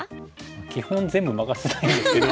基本全部任せたいんですけど。